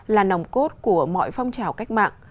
là nồng cốt của mọi phong trào cách mạng